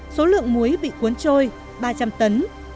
số lượng muối bị cuốn trôi ba trăm linh tấn